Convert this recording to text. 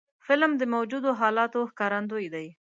فلم د موجودو حالاتو ښکارندوی دی